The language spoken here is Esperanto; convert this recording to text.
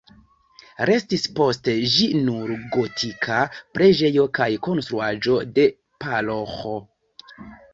Restis post ĝi nur gotika preĝejo kaj konstruaĵo de paroĥo.